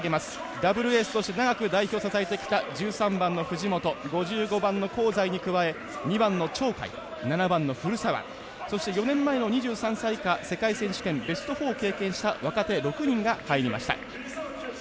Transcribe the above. ダブルエースとして長く代表を支えてきた１３番の藤本５５番の香西に加えて鳥海、古澤そして４年前の２３歳以下ベスト４を経験した若手６人が入りました。